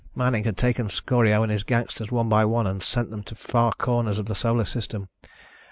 _" Manning had taken Scorio and his gangsters one by one and sent them to far corners of the Solar System.